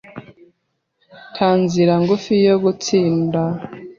Nta nzira ngufi yo gutsinda.